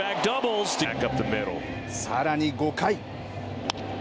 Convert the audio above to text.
さらに５回。